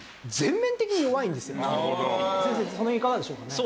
先生その辺いかがでしょうかね？